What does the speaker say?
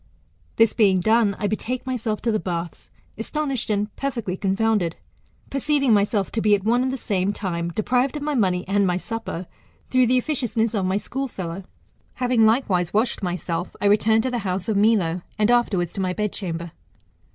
This being done, I betake myself to the baths, astonished and jjerfectly confounded ; perceiving myself to be at one and the same time deprived of my money and my supper, through the officionsness of my school fellow. Having likewise washed myself, I returned to the house of Milo; and afterwards to my bedchamber.